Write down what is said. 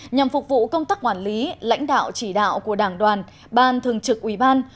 nhằm phục vụ công tác quản lý lãnh đạo chỉ đạo của đảng đoàn ban thường trực ủy ban